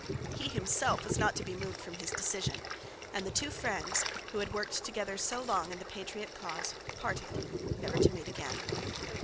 He himself was not to be moved from his decision, and the two friends, who had worked together so long in the patriot cause, parted, never to meet again.